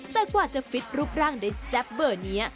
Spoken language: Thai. แต่กว่าจะฟิตรูปร่างได้แซ่บเบอร์นี้